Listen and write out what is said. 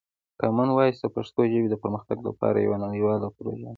کامن وایس د پښتو ژبې د پرمختګ لپاره یوه نړیواله پروژه ده.